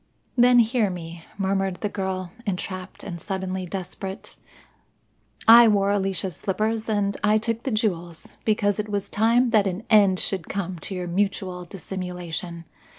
"Then hear me," murmured the girl, entrapped and suddenly desperate. "I wore Alicia's slippers and I took the jewels, because it was time that an end should come to your mutual dissimulation.